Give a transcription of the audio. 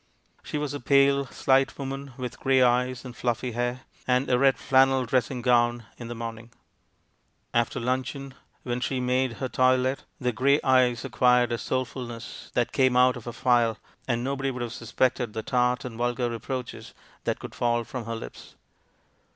She was a pale, slight woman, with grey eyes and fluffy hair, and a red flannel dressing grown in the morning. After luncheon, when she made her toilette, the grey eyes acquired a soulfulness that came out of a phial, and nobody would have suspected the tart and vulgar reproaches that 226 THE MAN WHO UNDERSTOOD WOMEN could fall from her lips.